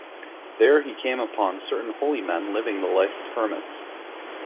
There he came upon certain holy men living the life of hermits.